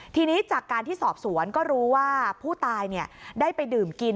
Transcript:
ทีนี้จากการที่สอบสวนก็รู้ว่าผู้ตายได้ไปดื่มกิน